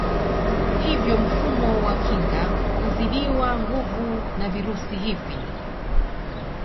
Hivyo mfumo wa kinga huzidiwa nguvu na virusi hivi